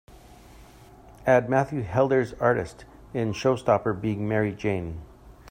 add Matthew Helders artist in Showstopper Being Mary Jane